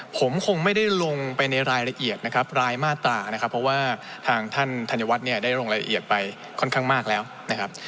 ผมคงไม่ได้ลงไปในรายละเอียดนะครับรายมาตรานะครับเพราะว่าทางท่านธัญวัฒน์เนี่ยได้ลงรายละเอียดไปค่อนข้างมากแล้วนะครับ